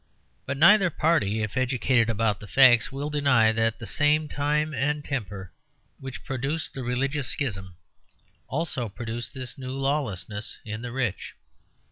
But neither party, if educated about the facts, will deny that the same time and temper which produced the religious schism also produced this new lawlessness in the rich.